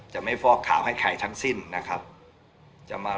จะไม่ฟอกข่าวให้ใครทั้งสิ้นนะครับ